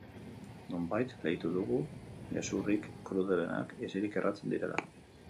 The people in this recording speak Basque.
Nonbait leitu dugu gezurrik krudelenak, isilik erraten direla.